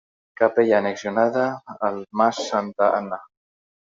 Capella annexionada al mas Santa Anna.